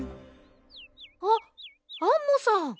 あっアンモさん。